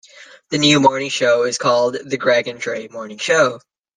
The new morning show is called the "Greg and Dre Morning Show".